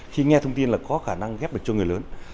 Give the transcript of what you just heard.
khi nghe thông tin là có khả năng ghép được cho người lớn